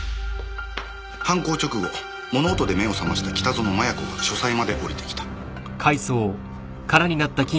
犯行直後物音で目を覚ました北薗摩耶子が書斎まで下りてきた。